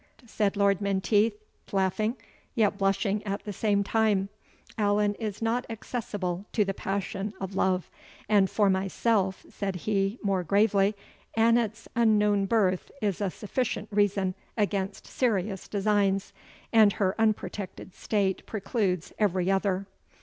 said Lord Menteith, laughing, yet blushing at the same time; "Allan is not accessible to the passion of love; and for myself," said he, more gravely; "Annot's unknown birth is a sufficient reason against serious designs, and her unprotected state precludes every other."